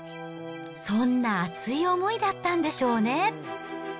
そんな熱い思いだったんでしょうね。